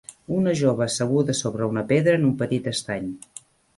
Una jove asseguda sobre una pedra en un petit estany.